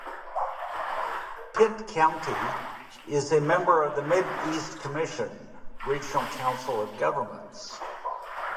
Pitt County is a member of the Mid-East Commission regional council of governments.